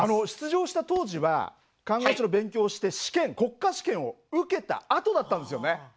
出場した当時は看護師の勉強をして試験国家試験を受けたあとだったんですよね。